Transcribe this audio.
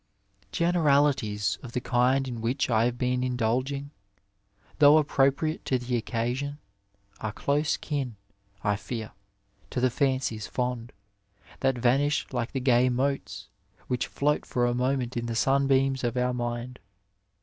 Generalities, of the kind in which I have been indulging, though appropriate to the occasion, are close kin, I fear, to the fancies fond, that vanish like the gay motes which float for a moment in the sunbeams of our mind.